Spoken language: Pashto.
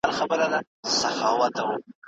تاسي کله د مسلمانانو تر منځ سوله وکړه؟